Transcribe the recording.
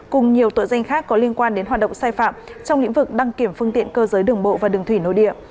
cùng nhiều tội danh khác có liên quan đến hoạt động sai phạm trong lĩnh vực đăng kiểm phương tiện cơ giới đường bộ và đường thủy nội địa